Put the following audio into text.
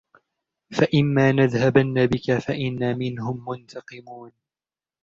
فإما نذهبن بك فإنا منهم منتقمون